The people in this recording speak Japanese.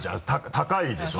高いでしょ？